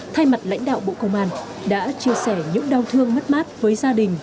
thay mặt lãnh đạo bộ công an đã chia sẻ những đau thương mất mát với gia đình